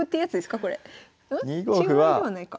中合いではないか。